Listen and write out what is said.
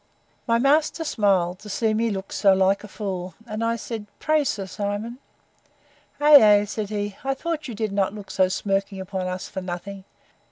My master smiled, to see me look so like a fool; and I said, Pray, Sir Simon!—Ay, ay, said he; I thought you did not look so smirking upon us for nothing.